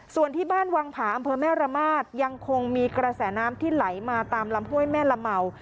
ส่วนที่บ้านวังผาอำเภอแม่ระมาทยังคงมีกระแสน้ำที่ไหลมาตามลำห้วยแม่ละเมา